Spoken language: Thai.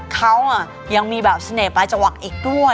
เขายังมีแบบเสน่หลายจังหวัดอีกด้วย